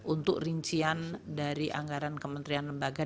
untuk rincian dari anggaran kementerian lembaga